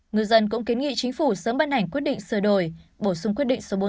người dân cũng kiến nghị chính phủ sớm ban hành quyết định sửa đổi bổ sung quyết định số bốn mươi